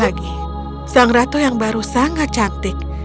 lagi sang ratu yang baru sangat cantik